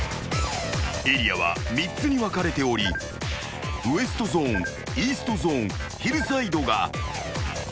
［エリアは３つに分かれておりウエストゾーンイーストゾーンヒルサイドが］